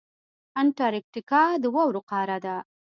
انټارکټیکا د واورو قاره ده.